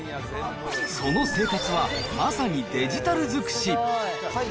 その生活は、まさにデジタル尽くし。